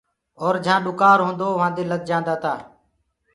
اور جھآنٚ ڏُڪار هونٚدو وهانٚدي لد جآندآ تآ۔